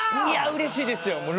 いやあうれしいですよ。